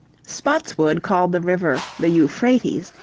Spotswood called the river the Euphrates.